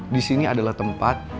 disini adalah tempat